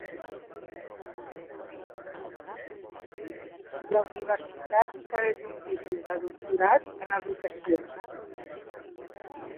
La universitat ofereix un Títol de Doctorat en Educació.